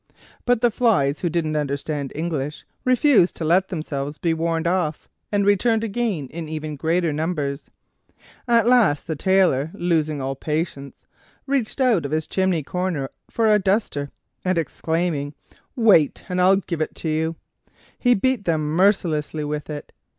But the flies, who didn't understand English, refused to let themselves be warned off, and returned again in even greater numbers. At last the Tailor, losing all patience, reached out of his chimney corner for a duster, and exclaiming, "Wait, and I'll give it to you!" he beat them mercilessly with it.